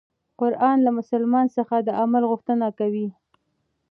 قرآن له مسلمان څخه د عمل غوښتنه کوي.